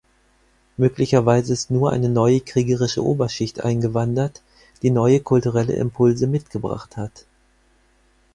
Möglicherweise ist nur eine neue kriegerische Oberschicht eingewandert, die neue kulturelle Impulse mitgebracht hat.